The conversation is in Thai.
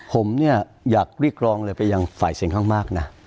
ผมเนี่ยอยากเรียกร้องเลยไปยังฝ่ายเสียงข้างมากนะ